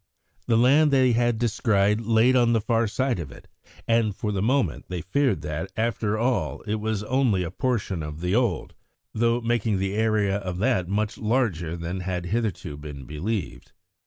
The land they had descried lay on the far side of it, and for the moment they feared that, after all, it was only a portion of the old, though making the area of that much larger than had hitherto been believed.